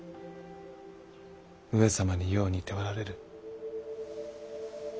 上様によう似ておられる。